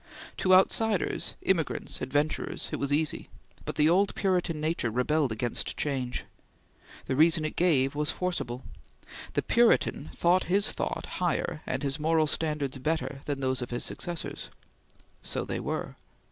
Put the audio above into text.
To outsiders, immigrants, adventurers, it was easy, but the old Puritan nature rebelled against change. The reason it gave was forcible. The Puritan thought his thought higher and his moral standards better than those of his successors. So they were.